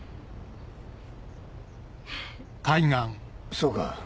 そうか。